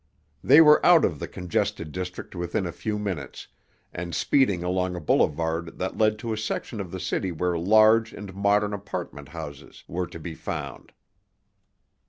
They were out of the congested district within a few minutes, and speeding along a boulevard that led to a section of the city where large and modern apartment houses were to be found.